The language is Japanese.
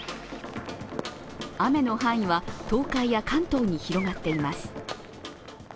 雨の範囲は、東海や関東に広がっています。